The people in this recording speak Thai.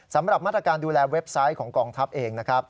สำหรับมาตรการดูแลเว็บไซต์ของกองทัพเองนะครับ